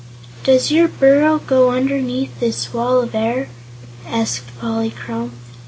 "Does your burrow go underneath this Wall of Air?" asked Polychrome.